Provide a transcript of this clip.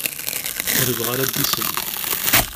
Ur yebɣi ara ad d-isel.